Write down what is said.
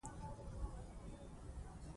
وچکالي کروندګر له ستونزو سره مخ کوي.